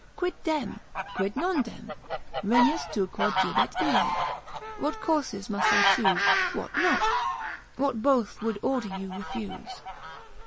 Quid dem? quid non dem? Renuis tu quod jubet ille. ———What courses must I choose? What not? What both would order you refuse.